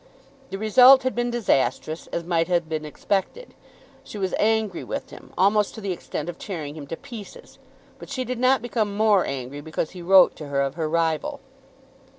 The result had been disastrous, as might have been expected. She was angry with him, almost to the extent of tearing him to pieces, but she did not become more angry because he wrote to her of her rival.